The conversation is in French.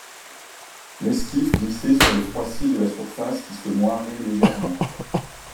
L'esquif glissait sur le froissis de la surface qui se moirait légèrement.